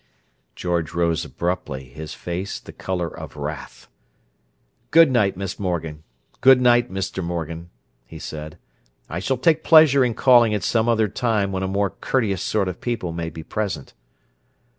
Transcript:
George rose abruptly, his face the colour of wrath. "Good night, Miss Morgan. Good night, Mr. Morgan," he said. "I shall take pleasure in calling at some other time when a more courteous sort of people may be present."